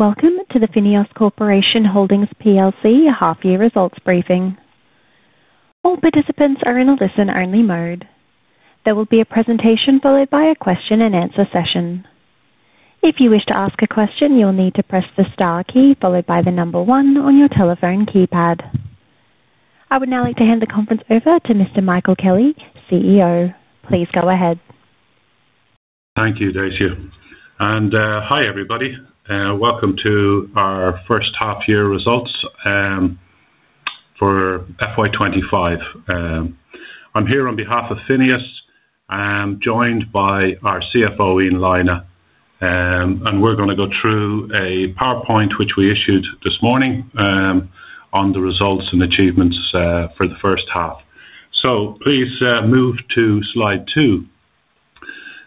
Welcome to the FINEOS Corporation Holdings plc half-year results briefing. All participants are in a listen-only mode. There will be a presentation followed by a question-and-answer session. If you wish to ask a question, you'll need to press the star key followed by the number one on your telephone keypad. I would now like to hand the conference over to Mr. Michael Kelly, CEO. Please go ahead. Thank you, Dacia. Hi everybody. Welcome to our first half-year results for FY 2025. I'm here on behalf of FINEOS, and I'm joined by our CFO, Ian Lynagh. We're going to go through a PowerPoint which we issued this morning on the results and achievements for the first half. Please move to slide two,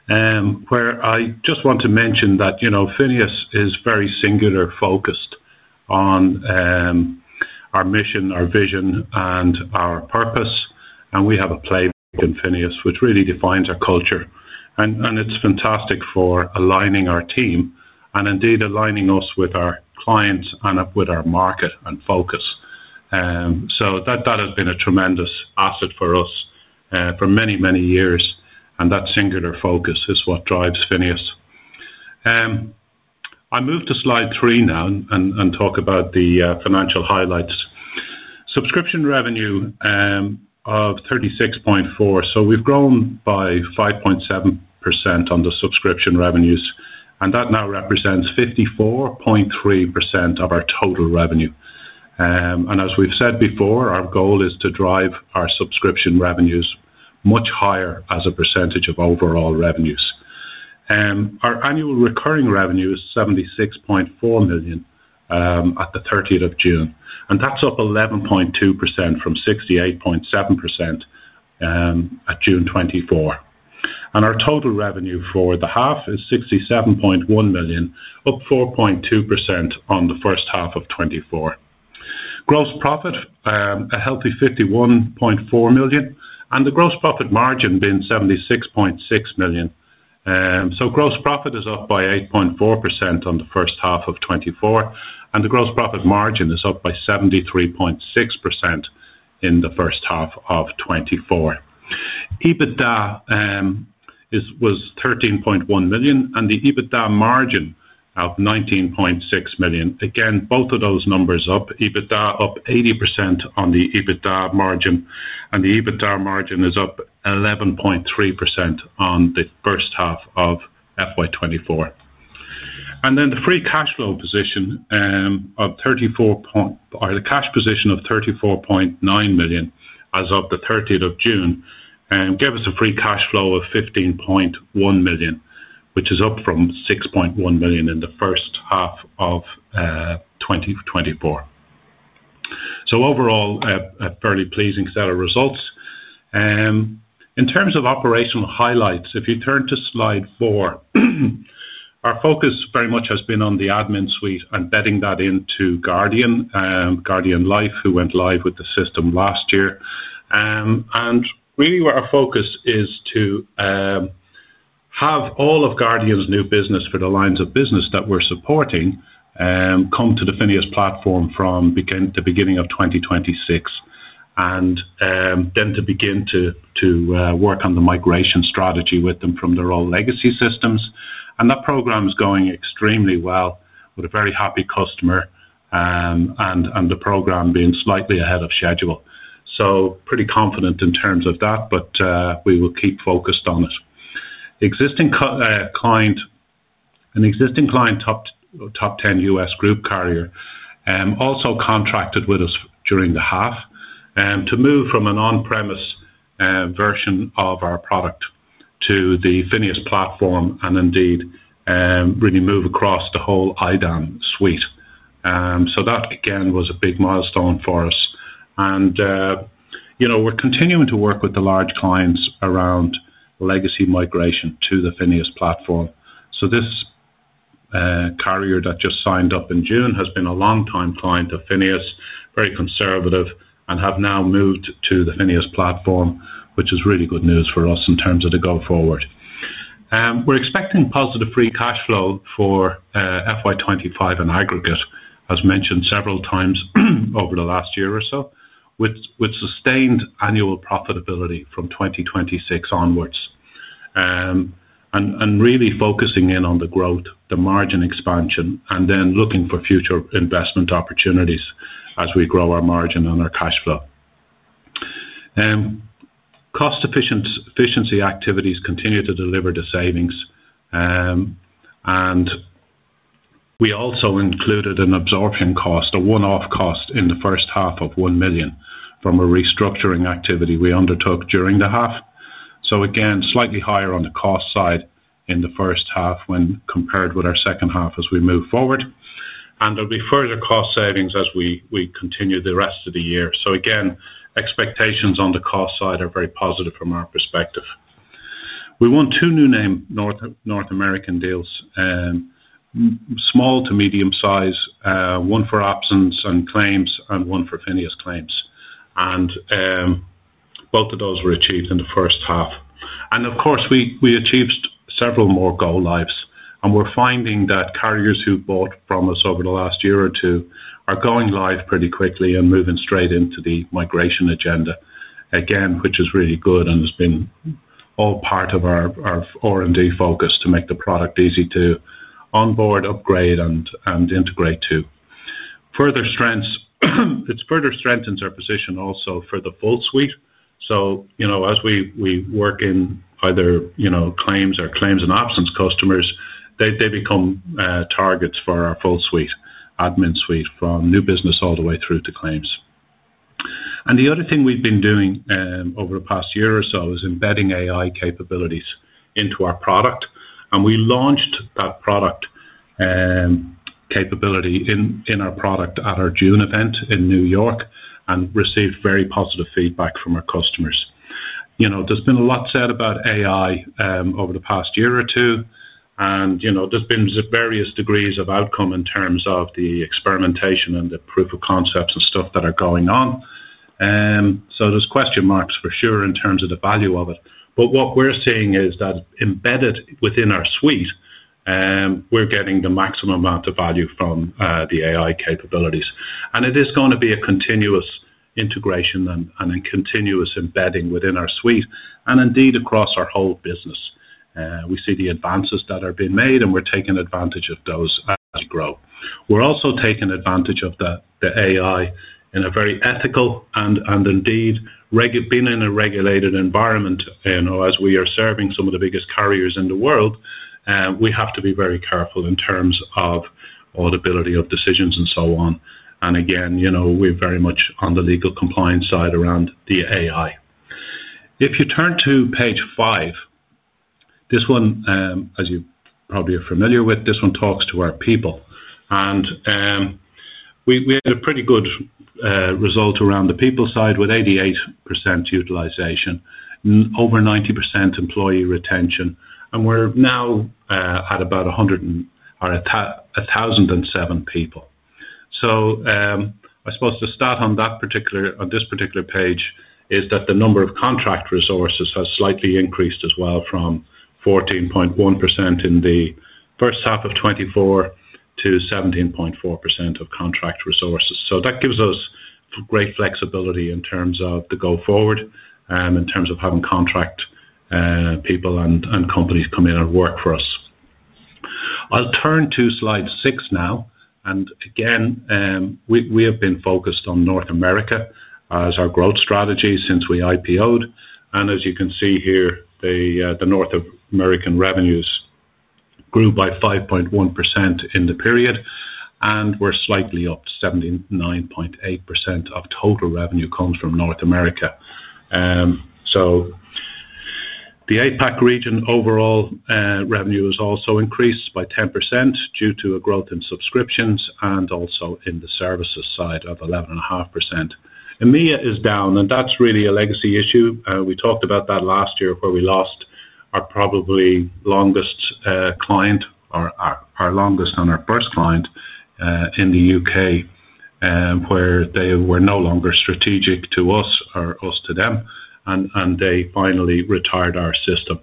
where I just want to mention that FINEOS is very singular focused on our mission, our vision, and our purpose. We have a playbook in FINEOS which really defines our culture. It's fantastic for aligning our team and indeed aligning us with our clients and with our market and focus. That has been a tremendous asset for us for many, many years. That singular focus is what drives FINEOS. I moved to slide three now and talk about the financial highlights. Subscription revenue of $36.4 million. We've grown by 5.7% on the subscription revenues, and that now represents 54.3% of our total revenue. As we've said before, our goal is to drive our subscription revenues much higher as a percentage of overall revenues. Our annual recurring revenue is $76.4 million at the 30th of June. That's up 11.2% from $68.7 million at June 2024. Our total revenue for the half is $67.1 million, up 4.2% on the first half of 2024. Gross profit, a healthy $51.4 million, and the gross profit margin being $76.6 million. Gross profit is up by 8.4% on the first half of 2024, and the gross profit margin is up by 73.6% in the first half of 2024. EBITDA was $13.1 million, and the EBITDA margin of $19.6 million. Both of those numbers are up. EBITDA up 80% on the EBITDA margin, and the EBITDA margin is up 11.3% on the first half of FY 2024. The free cash flow position of $34.0 million or the cash position of $34.9 million as of the 30th of June gave us a free cash flow of $15.1 million, which is up from $6.1 million in the first half of 2024. Overall, a fairly pleasing set of results. In terms of operational highlights, if you turn to slide four, our focus very much has been on the AdminSuite and bedding that into Guardian Life, who went live with the system last year. What our focus is to have all of Guardian's new business for the lines of business that we're supporting come to the FINEOS platform from the beginning of 2026, and then to begin to work on the migration strategy with them from their old legacy systems. That program's going extremely well. We're a very happy customer, and the program is slightly ahead of schedule. Pretty confident in terms of that, but we will keep focused on it. The existing client, a top 10 U.S. group carrier, also contracted with us during the half to move from an on-premise version of our product to the FINEOS cloud platform and indeed really move across the whole [Admin]Suite. That, again, was a big milestone for us. We're continuing to work with the large clients around legacy migration to the FINEOS platform. This carrier that just signed up in June has been a long-time client of FINEOS, very conservative, and has now moved to the FINEOS platform, which is really good news for us in terms of the go-forward. We're expecting positive free cash flow for FY 2025 in aggregate, as mentioned several times over the last year or so, with sustained annual profitability from 2026 onwards. We're really focusing in on the growth, the margin expansion, and then looking for future investment opportunities as we grow our margin and our cash flow. Cost-efficiency activities continue to deliver the savings. We also included an absorption cost, a one-off cost in the first half of $1 million from a restructuring activity we undertook during the half. Again, slightly higher on the cost side in the first half when compared with our second half as we move forward. There will be further cost savings as we continue the rest of the year. Expectations on the cost side are very positive from our perspective. We won two new North American deals, small to medium size, one for absence and claims and one for FINEOS Claims. Both of those were achieved in the first half. We achieved several more go-lives. We're finding that carriers who've bought from us over the last year or two are going live pretty quickly and moving straight into the migration agenda, which is really good and has been all part of our R&D focus to make the product easy to onboard, upgrade, and integrate to. It's further strengthened our position also for the full suite. As we work in either claims or claims and absence customers, they become targets for our full suite, AdminSuite, from new business all the way through to claims. The other thing we've been doing over the past year or so is embedding AI capabilities into our product. We launched that capability in our product at our June event in New York and received very positive feedback from our customers. There's been a lot said about AI over the past year or two. There have been various degrees of outcome in terms of the experimentation and the proof of concepts and stuff that are going on. There are question marks for sure in terms of the value of it. What we're seeing is that embedded within our suite, we're getting the maximum amount of value from the AI capabilities. It is going to be a continuous integration and a continuous embedding within our suite and indeed across our whole business. We see the advances that are being made, and we're taking advantage of those as they grow. We're also taking advantage of the AI in a very ethical way, and indeed, being in a regulated environment, as we are serving some of the biggest carriers in the world, we have to be very careful in terms of audibility of decisions and so on. Again, we're very much on the legal compliance side around the AI. If you turn to page five, this one, as you probably are familiar with, talks to our people. We had a pretty good result around the people side with 88% utilization and over 90% employee retention. We're now at about 1,007 people. The stat on this particular page is that the number of contract resources has slightly increased as well from 14.1% in the first half of 2024 to 17.4% of contract resources. That gives us great flexibility in terms of the go-forward and in terms of having contract people and companies come in and work for us. I'll turn to slide six now. We have been focused on North America as our growth strategy since we IPO'd. As you can see here, the North American revenues grew by 5.1% in the period. We're slightly up, with 79.8% of total revenue coming from North America. The APAC region overall revenue has also increased by 10% due to a growth in subscriptions and also in the services side of 11.5%. EMEA is down, and that's really a legacy issue. We talked about that last year where we lost our probably longest client or our longest and our first client in the U.K., where they were no longer strategic to us or us to them. They finally retired our system.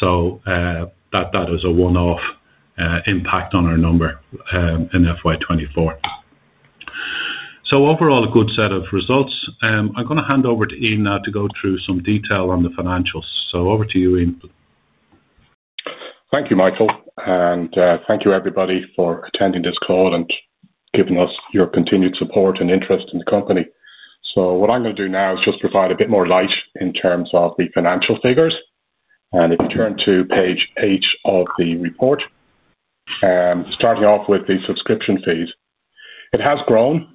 That was a one-off impact on our number in FY 2024. Overall, a good set of results. I'm going to hand over to Ian now to go through some detail on the financials. Over to you, Ian. Thank you, Michael. Thank you, everybody, for attending this call and giving us your continued support and interest in the company. What I'm going to do now is just provide a bit more light in terms of the financial figures. If you turn to page eight of the report, starting off with the subscription fees, it has grown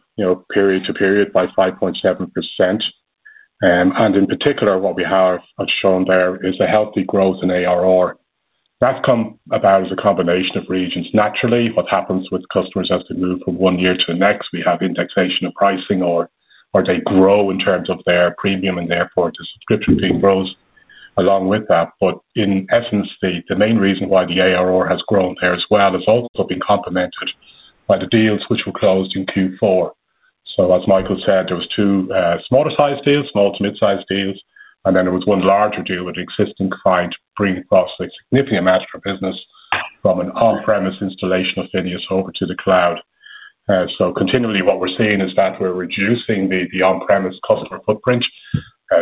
period to period by 5.7%. In particular, what we have shown there is a healthy growth in ARR. That's come about as a combination of regions. Naturally, what happens with customers as they move from one year to the next, we have indexation of pricing or they grow in terms of their premium and therefore the subscription fee grows along with that. In essence, the main reason why the ARR has grown there as well has also been complemented by the deals which were closed in Q4. As Michael said, there were two smaller-sized deals, small to mid-sized deals, and then there was one larger deal with an existing client bringing across a significant amount of our business from an on-premise installation of FINEOS over to the cloud. Continually, what we're seeing is that we're reducing the on-premise customer footprint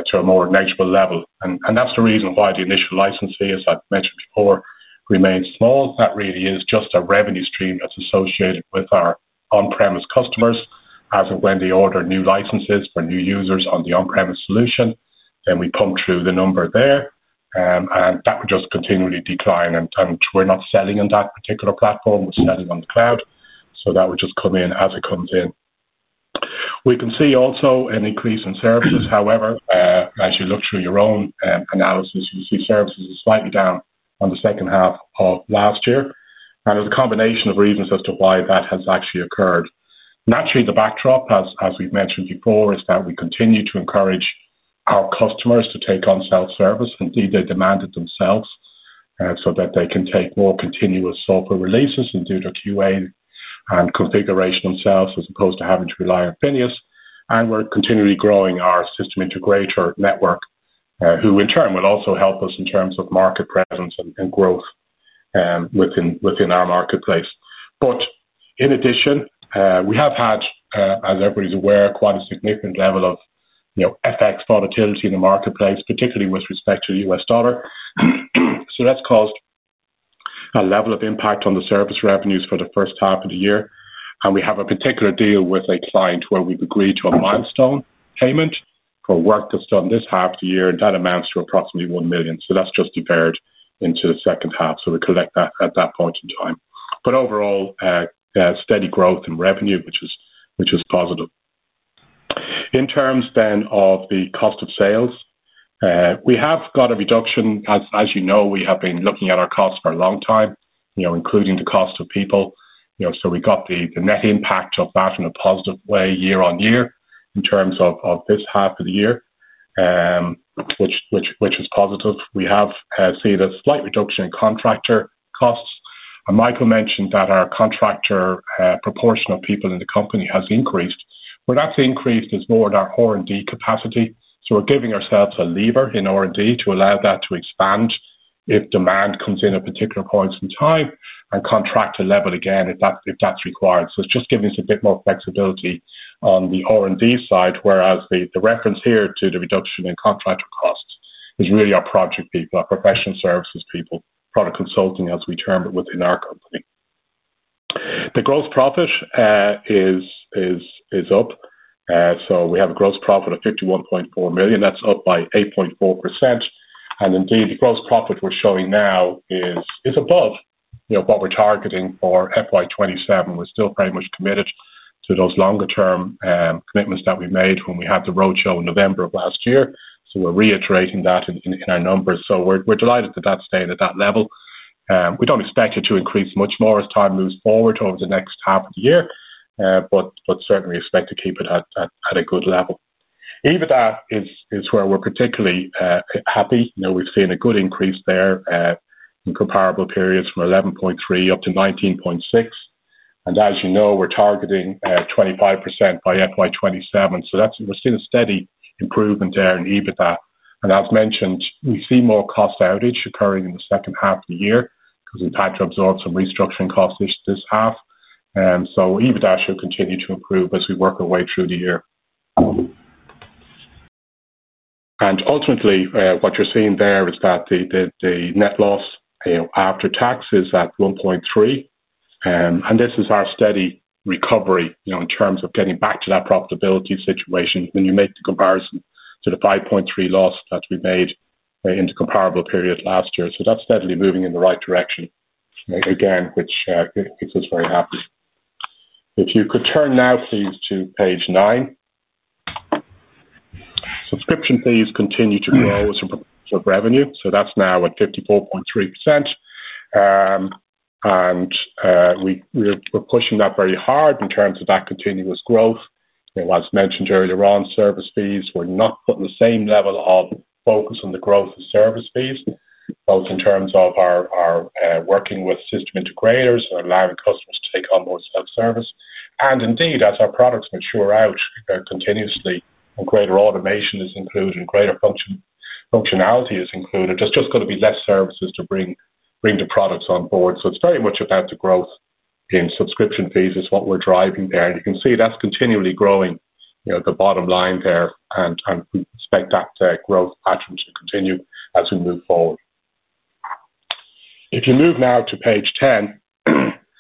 to a more negligible level. That's the reason why the initial license fee, as I've mentioned before, remains small. That really is just a revenue stream that's associated with our on-premise customers as of when they order new licenses for new users on the on-premise solution. We pump through the number there, and that would just continually decline. We're not selling on that particular platform. We're selling on the cloud. That would just come in as it comes in. We can see also an increase in services. However, as you look through your own analysis, you see services are slightly down on the second half of last year. There's a combination of reasons as to why that has actually occurred. Naturally, the backdrop, as we've mentioned before, is that we continue to encourage our customers to take on self-service and need their demand themselves, so that they can take more continuous software releases and do the QA and configuration themselves as opposed to having to rely on FINEOS. We're continually growing our system integrator network, who in turn will also help us in terms of market presence and growth within our marketplace. In addition, we have had, as everybody's aware, quite a significant level of FX volatility in the marketplace, particularly with respect to the U.S. dollar. That's caused a level of impact on the service revenues for the first half of the year. We have a particular deal with a client where we've agreed to a milestone payment for work that's done this half of the year, and that amounts to approximately $1 million. That's just deferred into the second half. We collect that at that point in time. Overall, steady growth in revenue, which was positive. In terms of the cost of sales, we have got a reduction as you know, we have been looking at our cost for a long time, including the cost of people. We got the net impact of that in a positive way year on year in terms of this half of the year, which is positive. We have seen a slight reduction in contractor costs. Michael mentioned that our contractor proportion of people in the company has increased. Where that's increased is more in our R&D capacity. We're giving ourselves a lever in R&D to allow that to expand if demand comes in at particular points in time and contract to level again if that's required. It's just giving us a bit more flexibility on the R&D side, whereas the reference here to the reduction in contract costs is really our project people, our professional services people, product consulting, as we term it within our company. The gross profit is up. We have a gross profit of $51.4 million. That's up by 8.4%. Indeed, the gross profit we're showing now is above what we're targeting for FY 2027. We're still very much committed to those longer term commitments that we made when we had the roadshow in November of last year. We're reiterating that in our numbers. We're delighted that that's staying at that level. We don't expect it to increase much more as time moves forward over the next half of the year, but certainly expect to keep it at a good level. EBITDA is where we're particularly happy. We've seen a good increase there, in comparable periods from $11.3 million up to $19.6 million. As you know, we're targeting 25% by FY 2027. We're seeing a steady improvement there in EBITDA. As mentioned, we see more cost outage occurring in the second half of the year as we've had to absorb some restructuring costs this half. EBITDA should continue to improve as we work our way through the year. Ultimately, what you're seeing there is that the net loss after tax is at $1.3 million. This is our steady recovery in terms of getting back to that profitability situation when you make the comparison to the $5.3 million loss that we made in the comparable period last year. That's steadily moving in the right direction, which makes us very happy. If you could turn now, please, to page nine. Subscription fees continue to grow as a revenue. That's now at 54.3%, and we're pushing that very hard in terms of that continuous growth. As mentioned earlier on, service fees, we're not putting the same level of focus on the growth of service fees, both in terms of our working with system integrators and allowing customers to take on more self-service. Indeed, as our products mature out continuously and greater automation is included and greater functionality is included, there's just going to be less services to bring the products on board. It's very much about the growth in subscription fees, which is what we're driving there. You can see that's continually growing the bottom line there, and we expect that growth pattern to continue as we move forward. If you move now to page 10,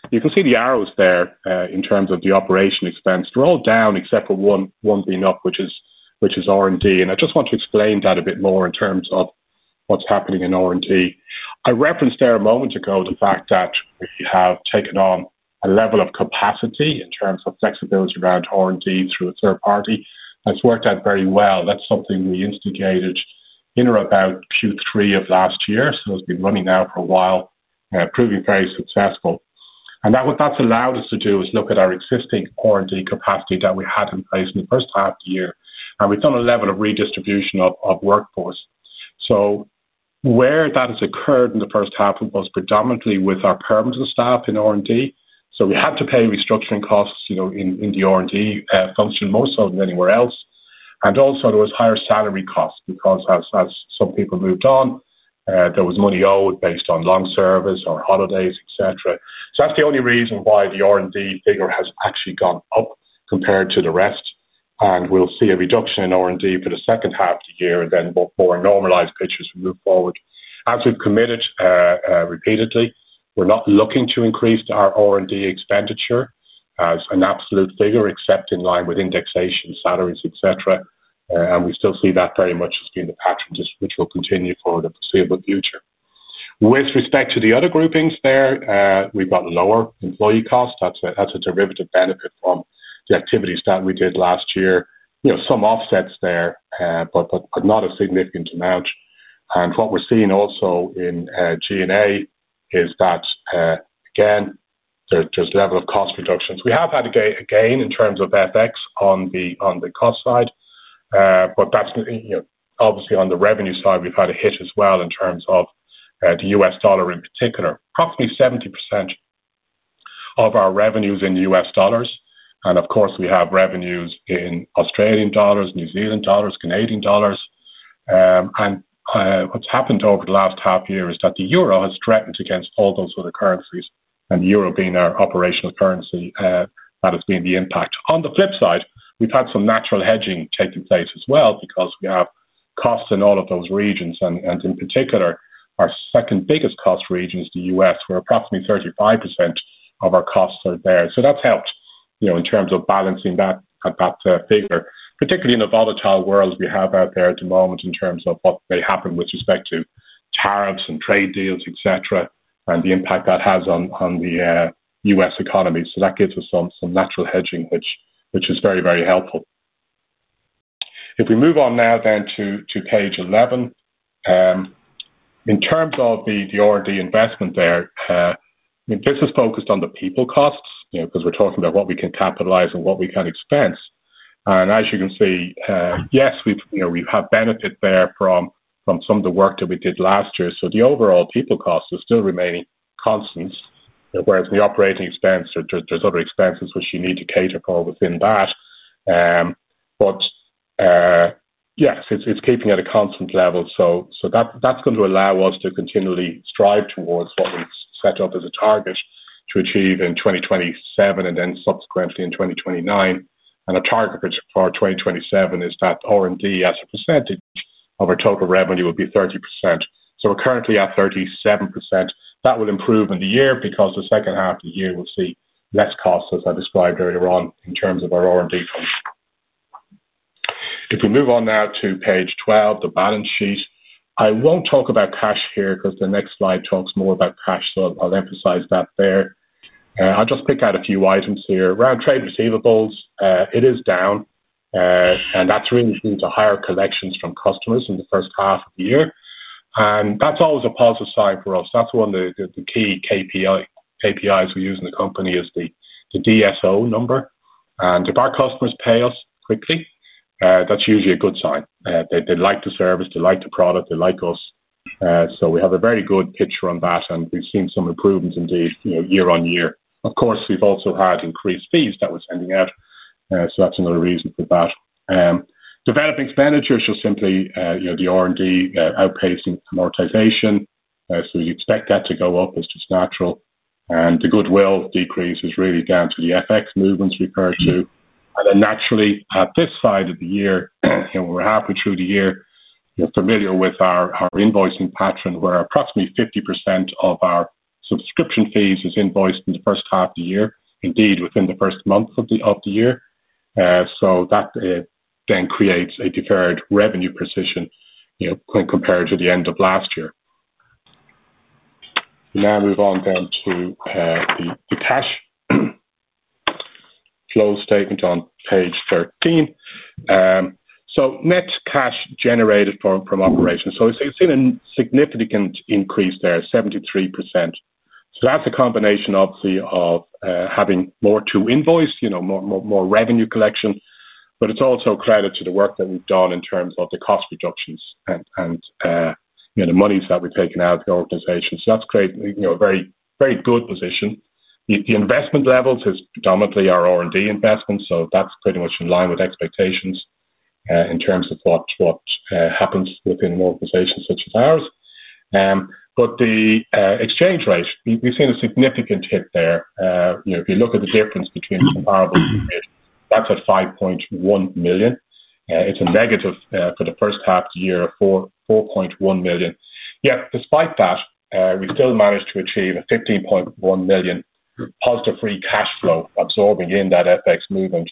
you can see the arrows there in terms of the operation expense. They're all down except for one, one being up, which is R&D. I just want to explain that a bit more in terms of what's happening in R&D. I referenced there a moment ago the fact that we have taken on a level of capacity in terms of flexibility around R&D through a third party. That's worked out very well. That's something we instigated in or about Q3 of last year. It's been running now for a while, proving very successful. What that's allowed us to do is look at our existing R&D capacity that we had in place in the first half of the year. We've done a level of redistribution of workforce. Where that has occurred in the first half was predominantly with our permanent staff in R&D. We had to pay restructuring costs in the R&D function more so than anywhere else. There was higher salary costs because as some people moved on, there was money owed based on long service or holidays, etc. That's the only reason why the R&D figure has actually gone up compared to the rest. We'll see a reduction in R&D for the second half of the year and then a more normalized picture as we move forward. As we've committed repeatedly, we're not looking to increase our R&D expenditure as an absolute figure except in line with indexation, salaries, etc., and we still see that very much as being the path which will continue for the foreseeable future. With respect to the other groupings there, we've got lower employee costs. That's a derivative benefit from the activities that we did last year. There are some offsets there, but not a significant amount. We're seeing also in G&A that, again, there's just a level of cost reductions. We have had a gain in terms of FX on the cost side, but that's, obviously, on the revenue side, we've had a hit as well in terms of the U.S. dollar in particular. Approximately 70% of our revenues are in U.S. dollars. Of course, we have revenues in Australian dollars, New Zealand dollars, and Canadian dollars. What's happened over the last half year is that the euro has strengthened against all those other currencies, and the euro being our operational currency, that has been the impact. On the flip side, we've had some natural hedging taking place as well because we have costs in all of those regions. In particular, our second biggest cost region is the U.S., where approximately 35% of our costs are there. That's helped in terms of balancing that figure, particularly in a volatile world we have out there at the moment in terms of what may happen with respect to tariffs and trade deals, etc., and the impact that has on the U.S. economy. That gives us some natural hedging, which is very helpful. If we move on now to page 11, in terms of the R&D investment there, this is focused on the people costs because we're talking about what we can capitalize and what we can expense. As you can see, we've had benefit there from some of the work that we did last year, so the overall people costs are still remaining constant. Whereas in the operating expense, there are other expenses which you need to cater for within that. Yes, it's keeping at a constant level. That's going to allow us to continually strive towards what we've set up as a target to achieve in 2027 and then subsequently in 2029. A target for 2027 is that R&D as a percentage of our total revenue will be 30%. We're currently at 37%. That will improve in the year because the second half of the year will see less costs, as I described earlier on, in terms of our R&D fund. If we move on now to page 12, the balance sheet, I won't talk about cash here because the next slide talks more about cash. I'll emphasize that there. I'll just pick out a few items here. Around trade receivables, it is down, and that's really due to higher collections from customers in the first half of the year. That's always a positive sign for us. That's one of the key KPIs we use in the company, the DSO number. If our customers pay us quickly, that's usually a good sign. They like the service, they like the product, they like us. We have a very good picture on that, and we've seen some improvements indeed, year on year. Of course, we've also had increased fees that we're sending out, so that's another reason for that. Developing expenditures are simply the R&D, outpacing amortization, so you expect that to go up. It's just natural. The goodwill decrease is really down to the FX movements we've heard too. Naturally, at this side of the year, we're halfway through the year. You're familiar with our invoicing pattern where approximately 50% of our subscription fees is invoiced in the first half of the year, indeed within the first month of the year. That then creates a deferred revenue position when compared to the end of last year. We now move on down to the cash flow statement on page 13. Net cash generated from operations has seen a significant increase there, 73%. That's a combination obviously of having more to invoice, more revenue collection. It's also credit to the work that we've done in terms of the cost reductions and the monies that we've taken out of the organization. That's great, a very, very good position. The investment levels is predominantly our R&D investment, so that's pretty much in line with expectations in terms of what happens within an organization such as ours. The exchange rates, we've seen a significant hit there. You know, if you look at the difference between comparable years, that's at $5.1 million. It's a negative, for the first half of the year, $4.1 million. Yet, despite that, we still managed to achieve a $15.1 million positive free cash flow absorbing in that FX movement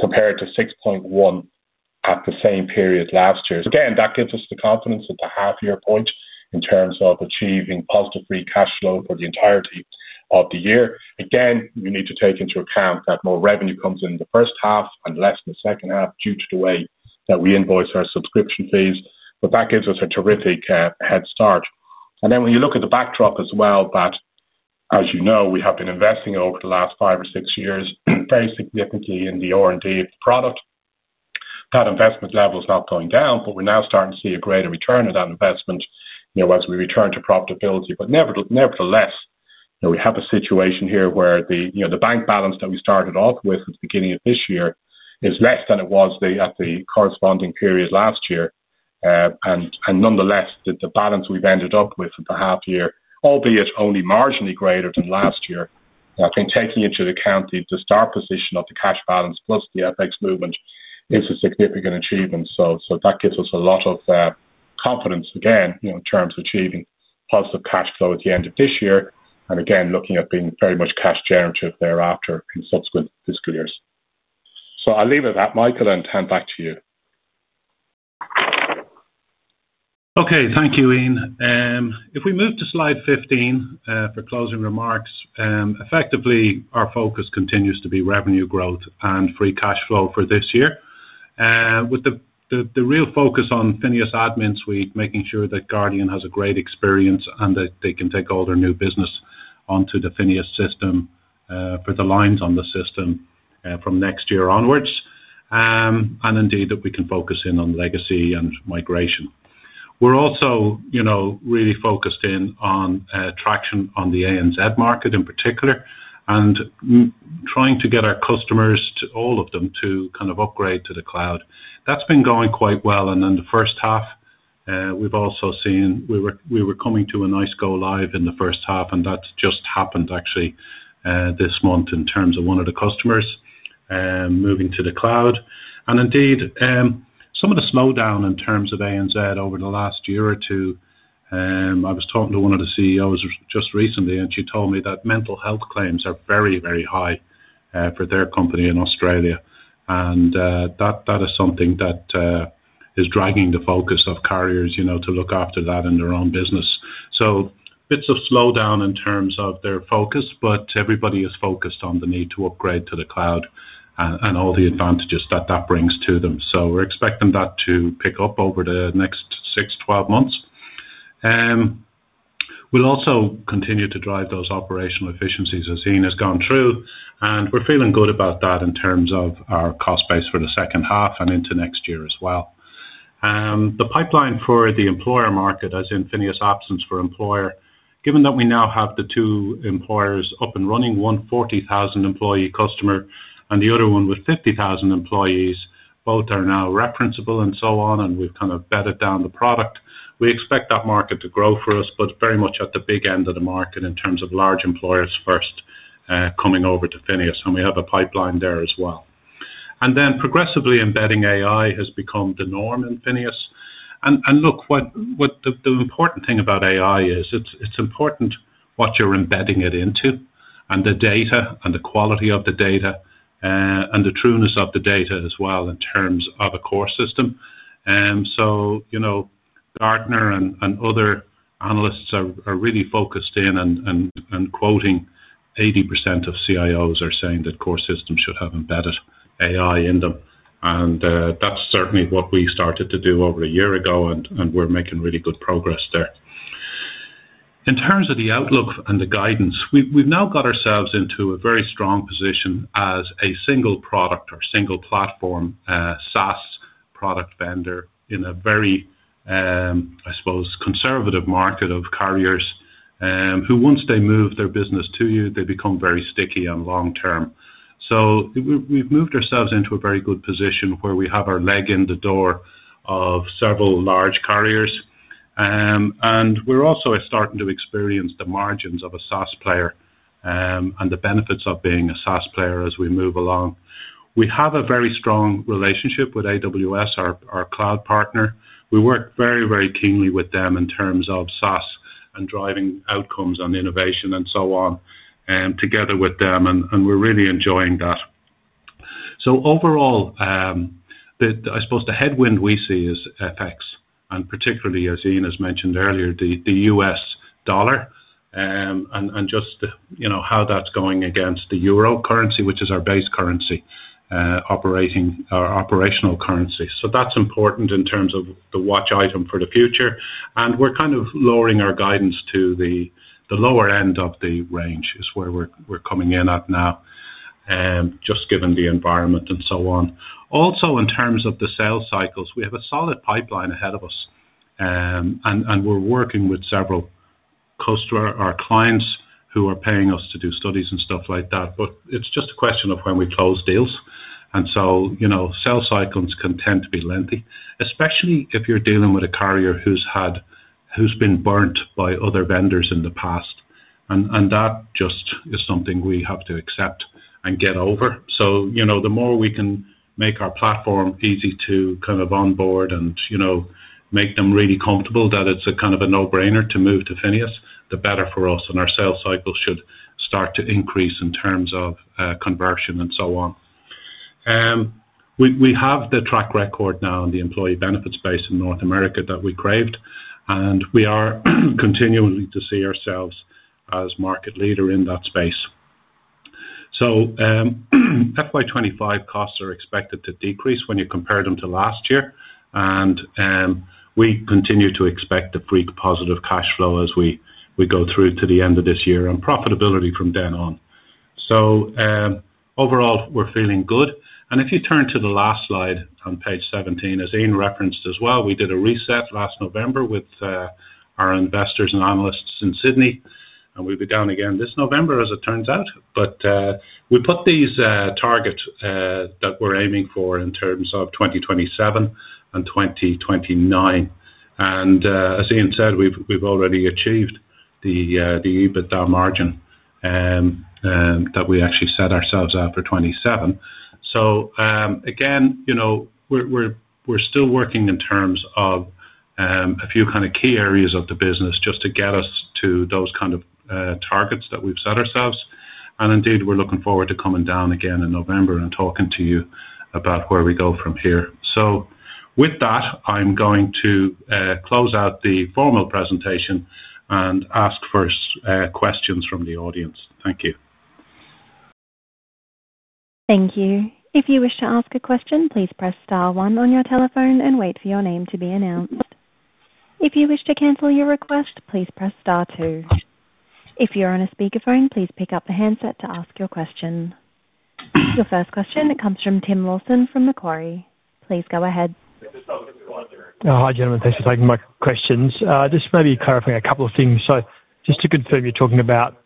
compared to $6.1 million at the same period last year. That gives us the confidence at the half-year point in terms of achieving positive free cash flow for the entirety of the year. You need to take into account that more revenue comes in the first half and less in the second half due to the way that we invoice our subscription fees. That gives us a terrific head start. When you look at the backdrop as well, as you know, we have been investing over the last five or six years very significantly in the R&D product. That investment level is not going down, but we're now starting to see a greater return of that investment, you know, as we return to profitability. Nevertheless, we have a situation here where the bank balance that we started off with at the beginning of this year is less than it was at the corresponding period last year, and nonetheless, the balance we've ended up with at the half-year, albeit only marginally greater than last year. I think taking into account the start position of the cash balance plus the FX movement is a significant achievement. That gives us a lot of confidence again, you know, in terms of achieving positive cash flow at the end of this year. Again, looking at being very much cash generative thereafter in subsequent fiscal years. I'll leave it at that, Michael, and turn back to you. Okay. Thank you, Ian. If we move to slide 15, for closing remarks, effectively, our focus continues to be revenue growth and free cash flow for this year, with the real focus on FINEOS AdminSuite, making sure that Guardian has a great experience and that they can take all their new business onto the FINEOS system for the lines on the system from next year onwards. Indeed, that we can focus in on legacy and migration. We're also really focused in on traction on the A and Z market in particular, and trying to get our customers, all of them, to kind of upgrade to the cloud. That's been going quite well. In the first half, we've also seen we were coming to a nice go-live in the first half. That's just happened actually, this month in terms of one of the customers moving to the cloud. Indeed, some of the slowdown in terms of A and Z over the last year or two, I was talking to one of the CEOs just recently, and she told me that mental health claims are very, very high for their company in Australia. That is something that is dragging the focus of carriers to look after that in their own business. Bits of slowdown in terms of their focus, but everybody is focused on the need to upgrade to the cloud and all the advantages that that brings to them. We're expecting that to pick up over the next 6-12 months. We'll also continue to drive those operational efficiencies as Ian has gone through. We're feeling good about that in terms of our cost base for the second half and into next year as well. The pipeline for the employer market, as in FINEOS absence for employer, given that we now have the two employers up and running, one 40,000 employee customer and the other one with 50,000 employees, both are now referenceable and so on. We've kind of bedded down the product. We expect that market to grow for us, but very much at the big end of the market in terms of large employers first coming over to FINEOS. We have a pipeline there as well. Progressively embedding AI has become the norm in FINEOS. The important thing about AI is it's important what you're embedding it into and the data and the quality of the data, and the trueness of the data as well in terms of a core system. Gartner and other analysts are really focused in and quoting 80% of CIOs are saying that core systems should have embedded AI in them. That's certainly what we started to do over a year ago, and we're making really good progress there. In terms of the outlook and the guidance, we've now got ourselves into a very strong position as a single product or single platform, SaaS product vendor in a very, I suppose, conservative market of carriers, who once they move their business to you, they become very sticky and long term. We've moved ourselves into a very good position where we have our leg in the door of several large carriers. We're also starting to experience the margins of a SaaS player and the benefits of being a SaaS player as we move along. We have a very strong relationship with AWS, our cloud partner. We work very, very keenly with them in terms of SaaS and driving outcomes on innovation and so on, together with them, and we're really enjoying that. Overall, the headwind we see is FX, and particularly as Ian has mentioned earlier, the U.S. dollar and just the, you know, how that's going against the euro currency, which is our base currency, operating our operational currency. That's important in terms of the watch item for the future. We're kind of lowering our guidance to the lower end of the range is where we're coming in at now, just given the environment and so on. Also, in terms of the sales cycles, we have a solid pipeline ahead of us, and we're working with several customers or clients who are paying us to do studies and stuff like that. It's just a question of when we close deals. Sales cycles can tend to be lengthy, especially if you're dealing with a carrier who's been burnt by other vendors in the past. That just is something we have to accept and get over. The more we can make our platform easy to kind of onboard and make them really comfortable that it's a kind of a no-brainer to move to FINEOS, the better for us. Our sales cycles should start to increase in terms of conversion and so on. We have the track record now in the employee benefits space in North America that we craved, and we are continuing to see ourselves as market leader in that space. FY 2025 costs are expected to decrease when you compare them to last year. We continue to expect the pre-positive cash flow as we go through to the end of this year and profitability from then on. Overall, we're feeling good. If you turn to the last slide on page 17, as Ian referenced as well, we did a reset last November with our investors and analysts in Sydney. We began again this November as it turns out. We put these targets that we're aiming for in terms of 2027 and 2029. As Ian said, we've already achieved the EBITDA margin that we actually set ourselves out for 2027. We're still working in terms of a few key areas of the business just to get us to those targets that we've set ourselves. Indeed, we're looking forward to coming down again in November and talking to you about where we go from here. With that, I'm going to close out the formal presentation and ask first, questions from the audience. Thank you. Thank you. If you wish to ask a question, please press star one on your telephone and wait for your name to be announced. If you wish to cancel your request, please press star two. If you're on a speaker phone, please pick up the handset to ask your question. Your first question comes from Tim Wilson from Macquarie. Please go ahead. Hi, gentlemen. Thanks for taking my questions. Just maybe clarifying a couple of things. Just to confirm, you're talking about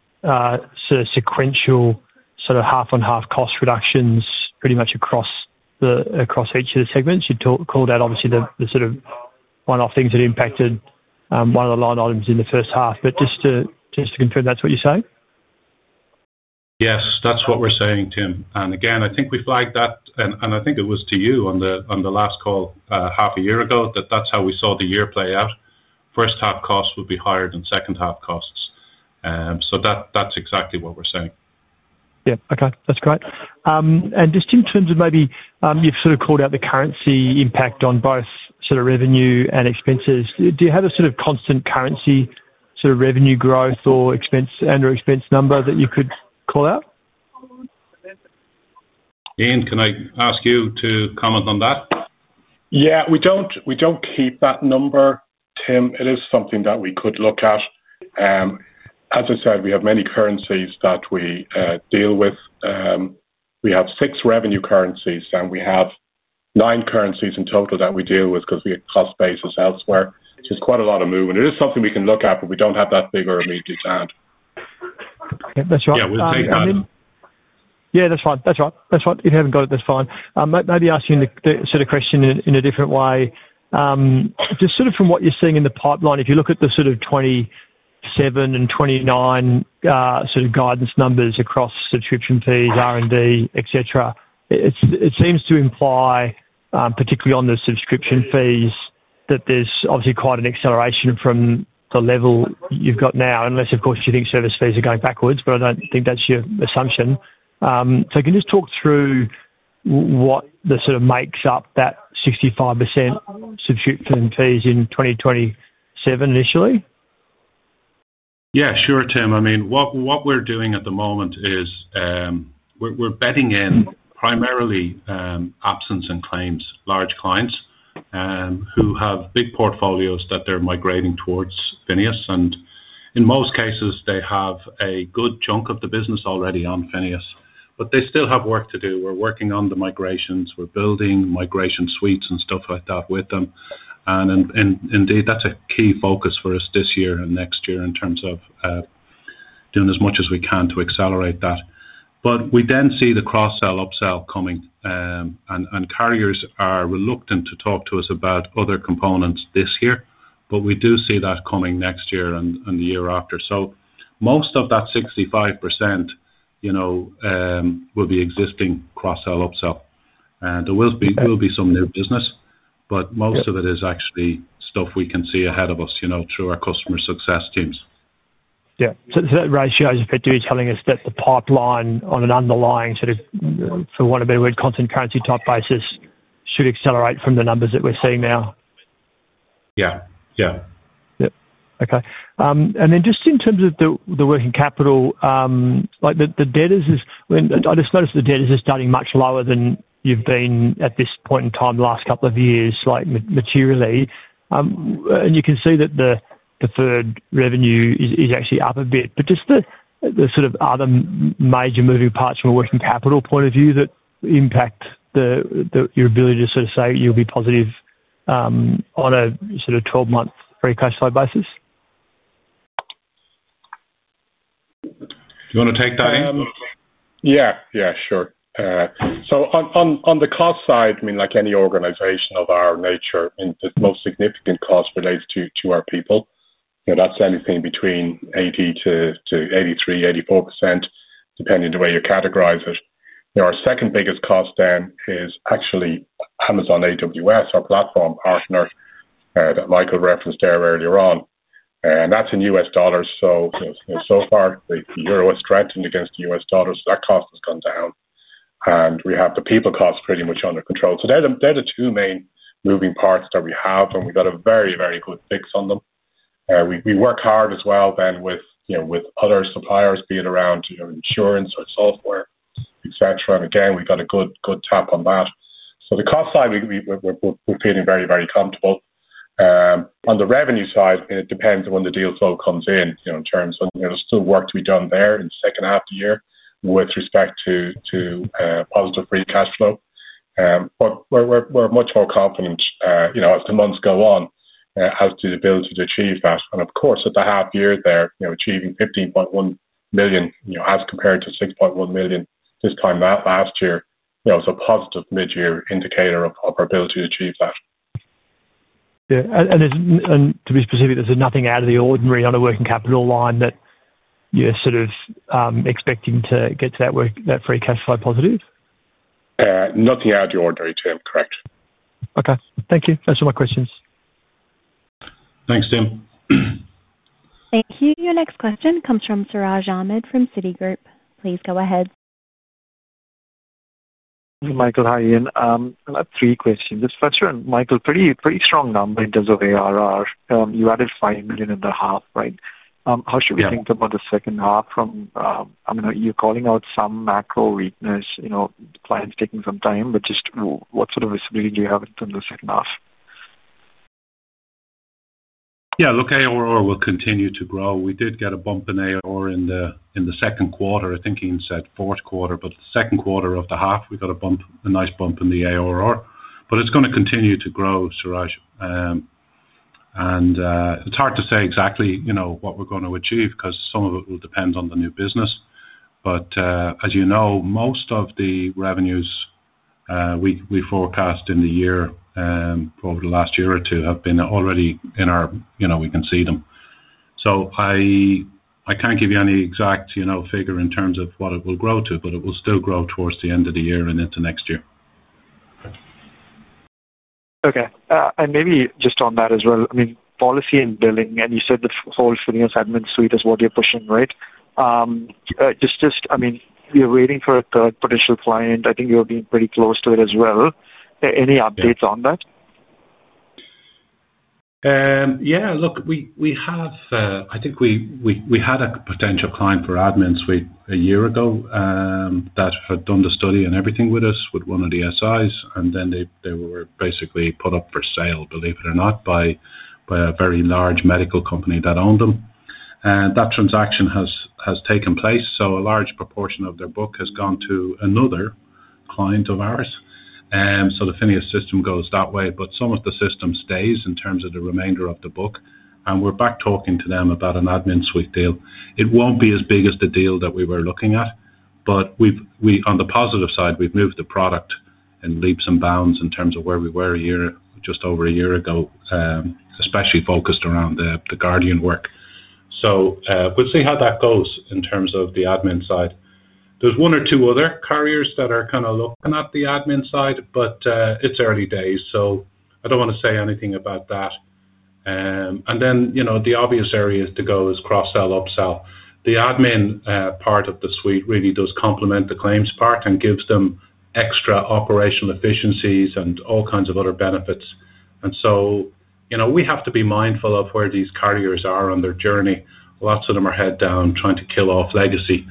sequential half-on-half cost reductions pretty much across each of the segments. You'd call that obviously the one-off things that impacted one of the line items in the first half. Just to confirm, that's what you're saying? Yes, that's what we're saying, Tim. I think we flagged that, and I think it was to you on the last call, half a year ago that that's how we saw the year play out. First half costs would be higher than second half costs. That's exactly what we're saying. Yeah, okay. That's great. In terms of maybe, you've sort of called out the currency impact on both sort of revenue and expenses. Do you have a sort of constant currency sort of revenue growth or expense and/or expense number that you could call out? Yeah, we don't keep that number, Tim. It is something that we could look at. As I said, we have many currencies that we deal with. We have six revenue currencies and we have nine currencies in total that we deal with because we have cost basis elsewhere. It's quite a lot of movement. It is something we can look at, but we don't have that figure immediately at hand. Okay, that's right. Yeah, we’ll take that. That's fine. If you haven't got it, that's fine. Maybe asking the sort of question in a different way. From what you're seeing in the pipeline, if you look at the 2027 and 2029 guidance numbers across subscription fees, R&D, et cetera, it seems to imply, particularly on the subscription fees, that there's obviously quite an acceleration from the level you've got now, unless of course you think service fees are going backwards, but I don't think that's your assumption. Can you just talk through what makes up that 65% subscription fees in 2027 initially? Yeah, sure, Tim. What we're doing at the moment is we're bedding in primarily absence and claims, large clients who have big portfolios that they're migrating towards FINEOS. In most cases, they have a good chunk of the business already on FINEOS, but they still have work to do. We're working on the migrations. We're building migration suites and stuff like that with them. Indeed, that's a key focus for us this year and next year in terms of doing as much as we can to accelerate that. We then see the cross-sell upsell coming, and carriers are reluctant to talk to us about other components this year. We do see that coming next year and the year after. Most of that 65% will be existing cross-sell upsell. There will be some new business, but most of it is actually stuff we can see ahead of us through our customer success teams. That ratio is effectively telling us that the pipeline on an underlying, for want of a better word, content currency type basis should accelerate from the numbers that we're seeing now. Yeah, yeah. Okay, and then just in terms of the working capital, like the debtors, I just noticed the debtors are starting much lower than you've been at this point in time the last couple of years, like materially. You can see that the preferred revenue is actually up a bit. Just the sort of other major moving parts from a working capital point of view that impact your ability to sort of say you'll be positive on a sort of 12-month free cash flow basis? You want to take that in? Yeah, yeah, sure. On the cost side, I mean, like any organization of our nature, the most significant cost relates to our people. You know, that's anything between 80%-83%, 84%, depending on the way you categorize it. Our second biggest cost then is actually AWS, our platform partner, that Michael referenced there earlier on. That's in U.S. dollars. So far, the euro is threatened against the U.S. dollars. That cost has gone down. We have the people cost pretty much under control. They're the two main moving parts that we have, and we've got a very, very good fix on them. We work hard as well then with other suppliers, be it around insurance or software, et cetera. Again, we've got a good, good tap on that. On the cost side, we're feeling very, very comfortable. On the revenue side, it depends on when the deal flow comes in, in terms of, you know, there's still work to be done there in the second half of the year with respect to positive free cash flow. We're much more confident, you know, as the months go on, as to the ability to achieve that. Of course, at the half year there, achieving $15.1 million, as compared to $6.1 million this time last year, it was a positive mid-year indicator of our ability to achieve that. Yeah, there's nothing out of the ordinary on a working capital line that you're expecting to get to that free cash flow positive? Nothing out of the ordinary, Tim. Correct. Okay. Thank you. Those are my questions. Thanks, Tim. Thank you. Your next question comes from Siraj Ahmed from Citigroup. Please go ahead. Hi, Michael. Hi, Ian. I've got three questions. This is for sure. Michael, pretty strong number in terms of ARR. You added $5 million in the half, right? How should we think about the second half? I mean, you're calling out some macro weakness, clients taking some time, but just what sort of visibility do you have in terms of the second half? Yeah, look, ARR will continue to grow. We did get a bump in ARR in the second quarter. I think Ian said fourth quarter, but the second quarter of the half, we got a bump, a nice bump in the ARR. It's going to continue to grow, Suraj. It's hard to say exactly what we're going to achieve because some of it will depend on the new business. As you know, most of the revenues we forecast in the year, for over the last year or two, have been already in our, you know, we can see them. I can't give you any exact figure in terms of what it will grow to, but it will still grow towards the end of the year and into next year. Okay, and maybe just on that as well, I mean, policy and billing, and you said the whole FINEOS AdminSuite is what you're pushing, right? I mean, you're waiting for a third potential client. I think you're being pretty close to it as well. Any updates on that? Yeah, look, we have, I think we had a potential client for AdminSuite a year ago that had done the study and everything with us with one of the SIs. They were basically put up for sale, believe it or not, by a very large medical company that owned them. That transaction has taken place. A large proportion of their book has gone to another client of ours, so the FINEOS system goes that way, but some of the system stays in terms of the remainder of the book. We're back talking to them about an AdminSuite deal. It won't be as big as the deal that we were looking at, but on the positive side, we've moved the product in leaps and bounds in terms of where we were just over a year ago, especially focused around the Guardian Life work. We'll see how that goes in terms of the admin side. There's one or two other carriers that are kind of looking at the admin side, but it's early days. I don't want to say anything about that. You know, the obvious area to go is cross-sell, upsell. The admin part of the suite really does complement the claims part and gives them extra operational efficiencies and all kinds of other benefits. You know, we have to be mindful of where these carriers are on their journey. Lots of them are head down trying to kill off legacy,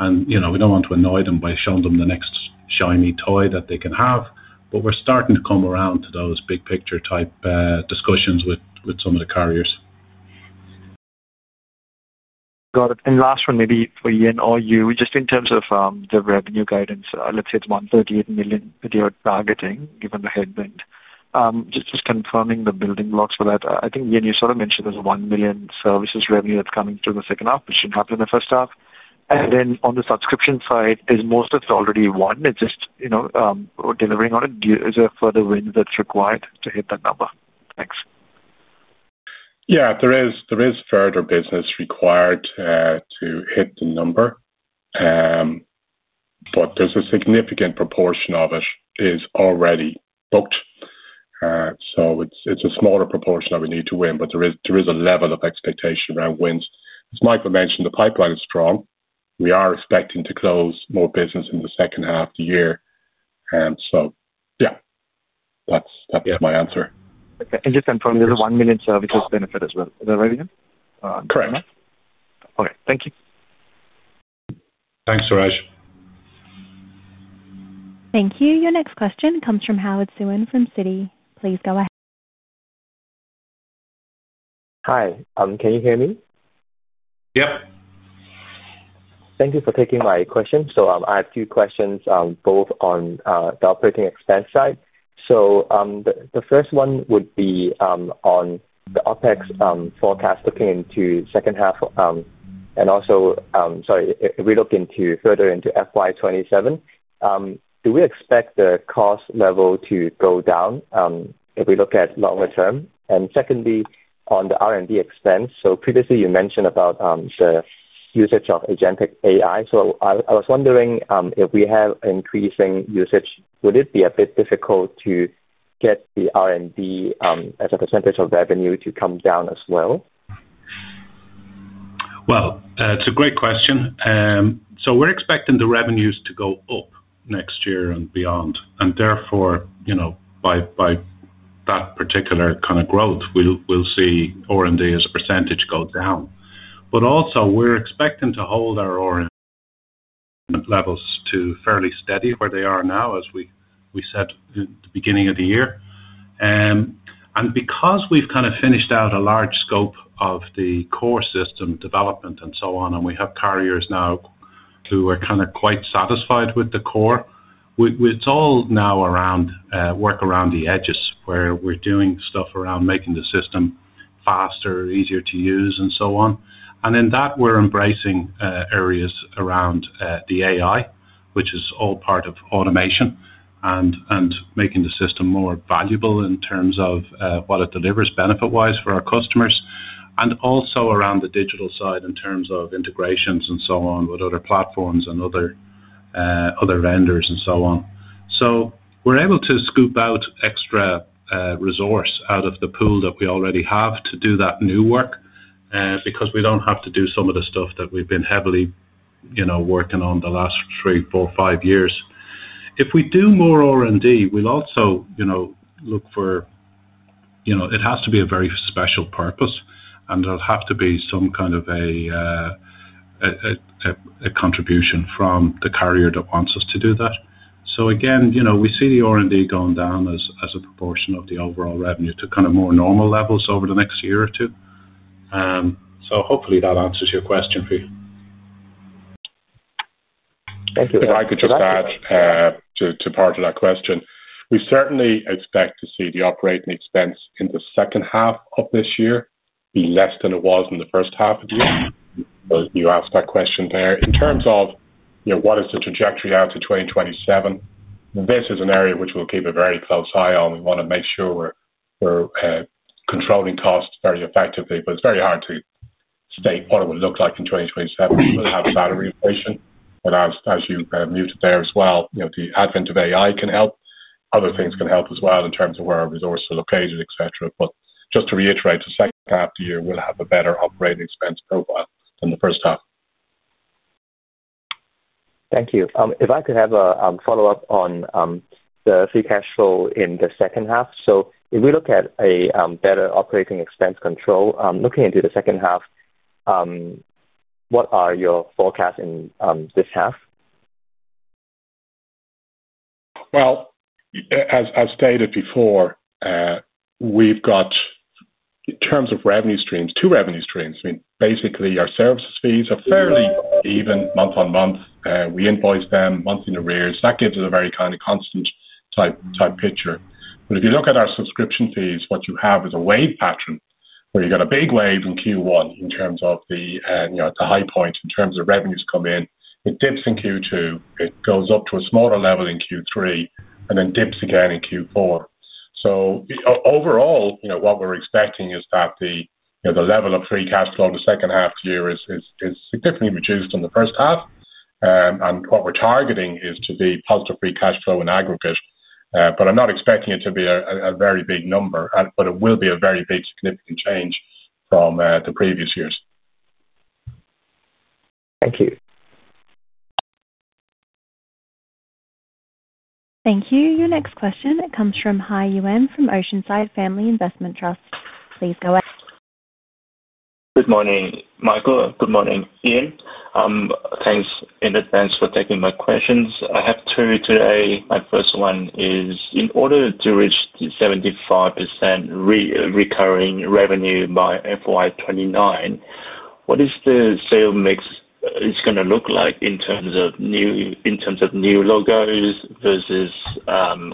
and we don't want to annoy them by showing them the next shiny toy that they can have. We're starting to come around to those big picture type discussions with some of the carriers. Got it. Last one, maybe for Ian or you, just in terms of the revenue guidance, let's say it's $138 million a day of targeting given the headwind. This is confirming the building blocks for that. I think Ian, you sort of mentioned there's $1 million services revenue that's coming through the second half, which shouldn't happen in the first half. On the subscription side, is most of it already won? It's just, you know, delivering on it. Is there further wins that's required to hit that number? Thanks. There is further business required to hit the number, but a significant proportion of it is already booked. It's a smaller proportion that we need to win, but there is a level of expectation around wins. As Michael mentioned, the pipeline is strong. We are expecting to close more business in the second half of the year. That's my answer. Okay. Just confirm, there's a $1 million services benefit as well. Is that right, Ian? Correct. Okay, thank you. Thanks, Suraj. Thank you. Your next question comes from Howard Suen from Citi. Please go ahead. Hi, can you hear me? Yeah. Thank you for taking my question. I have two questions, both on the operating expense side. The first one would be on the OpEx forecast looking into the second half, and also, if we look further into FY 2027, do we expect the cost level to go down if we look at longer term? Secondly, on the R&D expense, previously you mentioned about the usage of agentic AI. I was wondering, if we have increasing usage, would it be a bit difficult to get the R&D as a percentage of revenue to come down as well? It's a great question. We're expecting the revenues to go up next year and beyond. Therefore, by that particular kind of growth, we'll see R&D as a percentage go down. We're also expecting to hold our R&D levels fairly steady where they are now, as we said at the beginning of the year. Because we've finished out a large scope of the core system development and so on, and we have carriers now who are quite satisfied with the core, it's all now work around the edges where we're making the system faster, easier to use, and so on. In that, we're embracing areas around AI, which is all part of automation and making the system more valuable in terms of what it delivers benefit-wise for our customers. Also, around the digital side in terms of integrations with other platforms and other vendors and so on. We're able to scoop out extra resource out of the pool that we already have to do that new work, because we don't have to do some of the stuff that we've been heavily working on the last three, four, five years. If we do more R&D, it has to be a very special purpose, and there'll have to be some kind of a contribution from the carrier that wants us to do that. Again, we see the R&D going down as a proportion of the overall revenue to more normal levels over the next year or two. Hopefully that answers your question for you. Thank you. If I could just add to part of that question, we certainly expect to see the operating expense in the second half of this year be less than it was in the first half of the year. You asked that question there. In terms of, you know, what is the trajectory out to 2027? This is an area which we'll keep a very close eye on. We want to make sure we're controlling costs very effectively, but it's very hard to state what it would look like in 2027. We'll have a better equation, but as you've noted there as well, you know, the advent of AI can help. Other things can help as well in terms of where our resources are located, et cetera. Just to reiterate, the second half of the year will have a better operating expense profile than the first half. Thank you. If I could have a follow-up on the free cash flow in the second half. If we look at a better operating expense control, looking into the second half, what are your forecasts in this half? As I stated before, we've got, in terms of revenue streams, two revenue streams. Basically, our services fees are fairly even month on month. We invoice them month in and month in arrears. That gives us a very kind of constant type picture. If you look at our subscription fees, what you have is a wave pattern where you've got a big wave in Q1 at the high points in terms of revenues come in. It dips in Q2. It goes up to a smaller level in Q3 and then dips again in Q4. Overall, what we're expecting is that the level of free cash flow in the second half of the year is significantly reduced than the first half. What we're targeting is to be positive free cash flow in aggregate. I'm not expecting it to be a very big number, but it will be a very big significant change from the previous years. Thank you. Thank you. Your next question, it comes from Hai Nguyen from Oceanside Family Investment Trust. Please go ahead. Good morning, Michael. Good morning, Ian. Thanks in advance for taking my questions. I have two today. My first one is, in order to reach the 75% recurring revenue by FY 2029, what is the sale mix going to look like in terms of new, in terms of new logos versus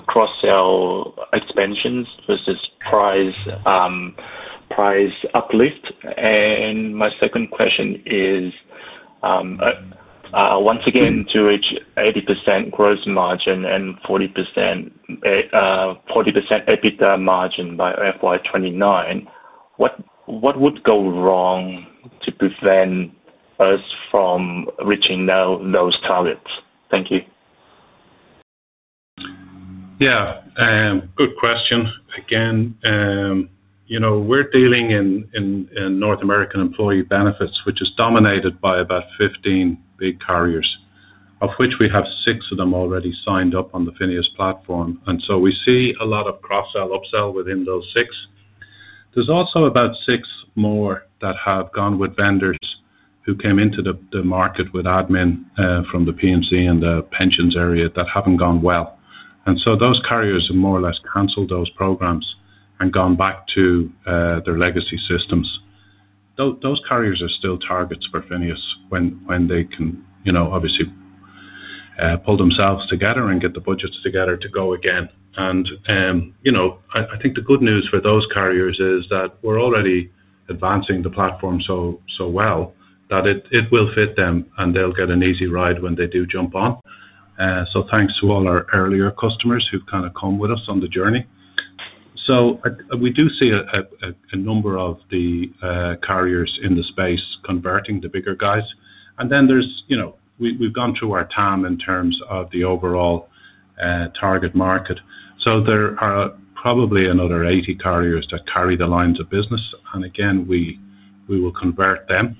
cross-sell expansions versus price uplift? My second question is, once again, to reach 80% gross margin and 40% EBITDA margin by FY 2029, what would go wrong to prevent us from reaching those targets? Thank you. Good question. We're dealing in North American employee benefits, which is dominated by about 15 big carriers, of which we have six of them already signed up on the FINEOS platform. We see a lot of cross-sell and upsell within those six. There's also about six more that have gone with vendors who came into the market with admin from the PMC and the pensions area that haven't gone well. Those carriers have more or less canceled those programs and gone back to their legacy systems. Those carriers are still targets for FINEOS when they can pull themselves together and get the budgets together to go again. I think the good news for those carriers is that we're already advancing the platform so well that it will fit them and they'll get an easy ride when they do jump on, thanks to all our earlier customers who've come with us on the journey. We do see a number of the carriers in the space converting the bigger guys. We've gone through our TAM in terms of the overall target market. There are probably another 80 carriers that carry the lines of business. We will convert them,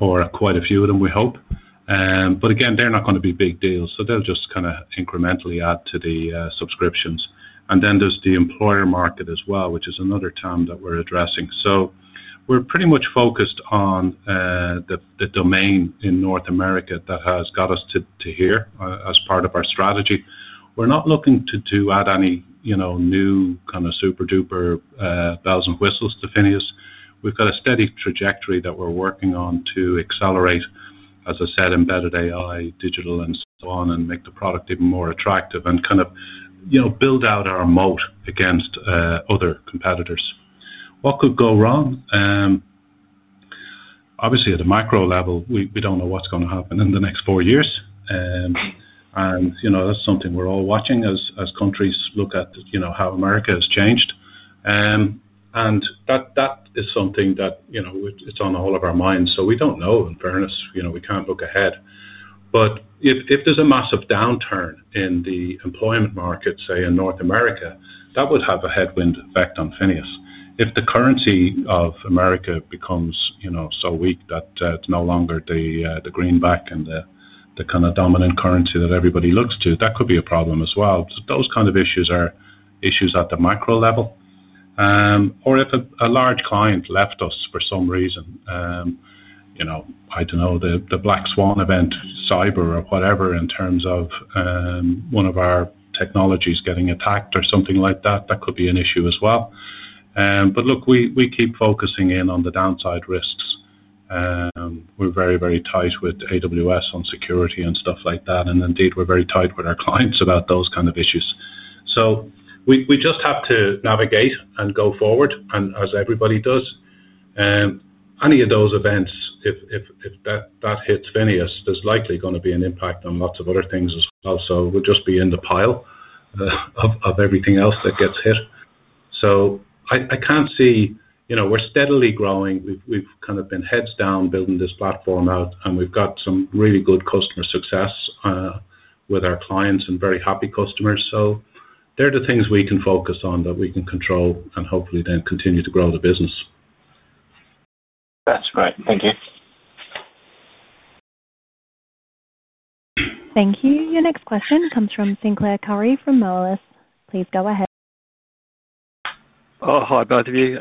or quite a few of them, we hope. They're not going to be big deals, so they'll just incrementally add to the subscriptions. There's the employer market as well, which is another TAM that we're addressing. We're pretty much focused on the domain in North America that has got us to here as part of our strategy. We're not looking to add any new kind of super duper bells and whistles to FINEOS. We've got a steady trajectory that we're working on to accelerate, as I said, embedded AI, digital, and so on, and make the product even more attractive and build out our moat against other competitors. What could go wrong? Obviously, at a macro level, we don't know what's going to happen in the next four years. That's something we're all watching as countries look at how America has changed. That is something that's on all of our minds. We don't know in fairness. We can't look ahead. If there's a massive downturn in the employment market, say in North America, that would have a headwind effect on FINEOS. If the currency of America becomes so weak that it's no longer the greenback and the kind of dominant currency that everybody looks to, that could be a problem as well. Those kinds of issues are issues at the macro level. If a large client left us for some reason, the black swan event, cyber or whatever, in terms of one of our technologies getting attacked or something like that, that could be an issue as well. We keep focusing in on the downside risks. We're very, very tight with AWS on security and stuff like that. Indeed, we're very tight with our clients about those kinds of issues. We just have to navigate and go forward. As everybody does, any of those events, if that hits FINEOS, there's likely going to be an impact on lots of other things as well. We'll just be in the pile of everything else that gets hit. I can't see, you know, we're steadily growing. We've kind of been heads down building this platform out. We've got some really good customer success with our clients and very happy customers. They're the things we can focus on that we can control and hopefully then continue to grow the business. That's great. Thank you. Thank you. Your next question comes from Sinclair Currie from Moelis. Please go ahead. Oh, hi, both of you.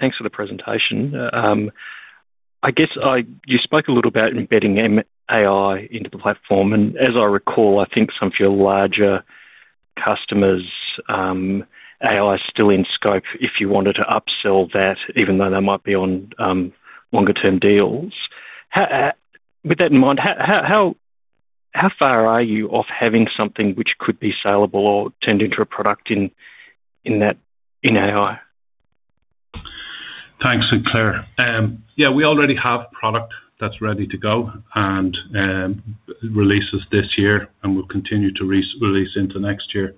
Thanks for the presentation. I guess I, you spoke a little about embedding AI into the platform. As I recall, I think some of your larger customers, AI is still in scope if you wanted to upsell that, even though they might be on longer-term deals. With that in mind, how far are you off having something which could be saleable or turned into a product in AI? Thanks, Sinclair. Yeah, we already have a product that's ready to go and releases this year, and we'll continue to release into next year.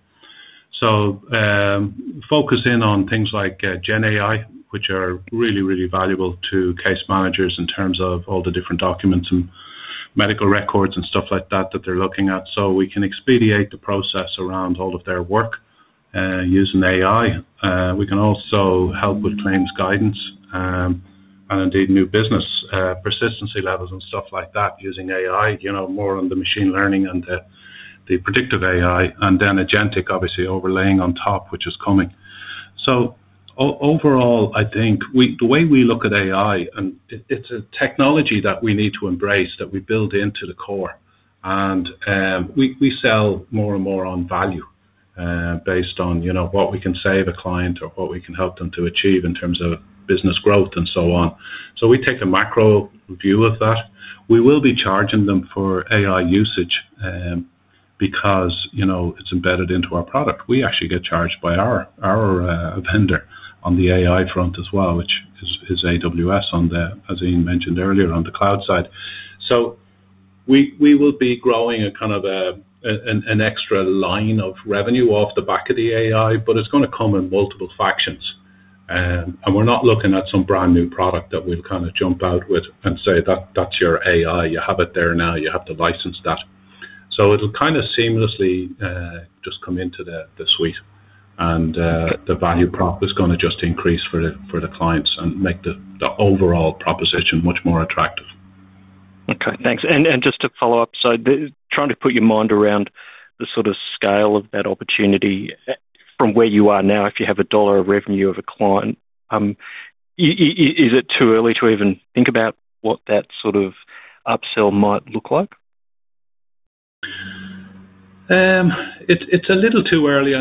Focus in on things like GenAI, which are really, really valuable to case managers in terms of all the different documents and medical records and stuff like that that they're looking at. We can expedite the process around all of their work using AI. We can also help with claims guidance, and indeed new business, persistency levels and stuff like that using AI, more on the machine learning and the predictive AI, and then agentic, obviously, overlaying on top, which is coming. Overall, I think the way we look at AI, it's a technology that we need to embrace that we build into the core. We sell more and more on value, based on what we can save a client or what we can help them to achieve in terms of business growth and so on. We take a macro view of that. We will be charging them for AI usage, because it's embedded into our product. We actually get charged by our vendor on the AI front as well, which is AWS, as Ian mentioned earlier, on the cloud side. We will be growing a kind of an extra line of revenue off the back of the AI, but it's going to come in multiple factions. We're not looking at some brand new product that we've kind of jumped out with and say that that's your AI, you have it there now, you have to license that. It'll kind of seamlessly just come into the suite. The value prop is going to just increase for the clients and make the overall proposition much more attractive. Okay, thanks. Just to follow up, trying to put your mind around the sort of scale of that opportunity from where you are now, if you have a dollar of revenue of a client, is it too early to even think about what that sort of upsell might look like? It's a little too early.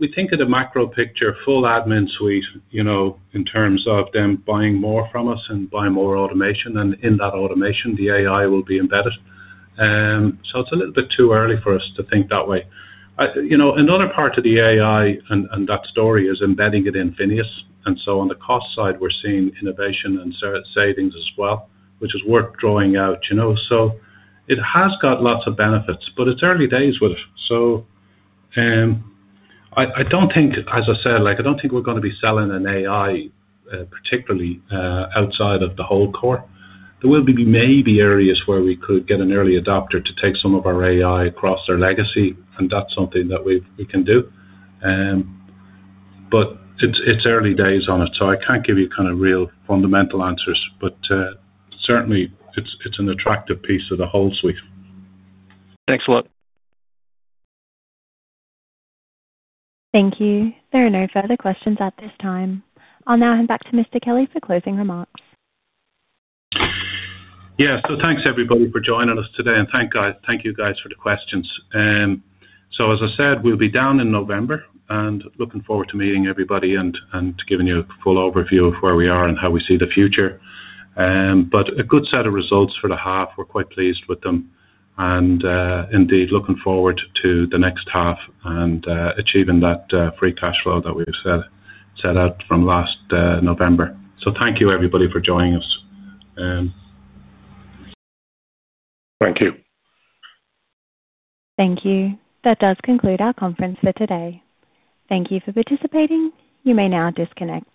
We think of the macro picture, full AdminSuite, in terms of them buying more from us and buying more automation. In that automation, the AI will be embedded. It's a little bit too early for us to think that way. Another part of the AI and that story is embedding it in FINEOS. On the cost side, we're seeing innovation and savings as well, which is worth drawing out. It has got lots of benefits, but it's early days with it. I don't think, as I said, I don't think we're going to be selling an AI, particularly, outside of the whole core. There will be maybe areas where we could get an early adopter to take some of our AI across their legacy. That's something that we can do, but it's early days on it. I can't give you kind of real fundamental answers, but certainly it's an attractive piece of the whole suite. Excellent. Thank you. There are no further questions at this time. I'll now hand back to Mr. Kelly for closing remarks. Yeah, so thanks everybody for joining us today. Thank you guys for the questions. As I said, we'll be down in November and looking forward to meeting everybody and giving you a full overview of where we are and how we see the future. A good set of results for the half. We're quite pleased with them and, indeed, looking forward to the next half and achieving that free cash flow that we've set out from last November. Thank you everybody for joining us. Thank you. Thank you. That does conclude our conference for today. Thank you for participating. You may now disconnect.